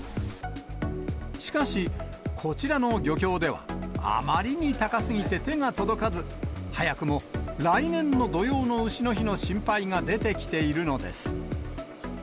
しかし、こちらの漁協では、あまりに高すぎて手が届かず、早くも来年の土用のうしの日の心配が出てきているのです。